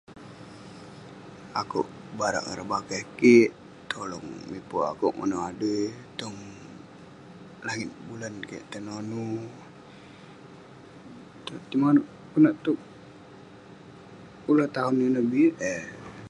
Akouk barak ngan ireh bakeh kik, tolong miper akouk manouk adui. Tong langit bulan kek tenonu, [unintelligible] konak tog ulang taun ineh bi peh.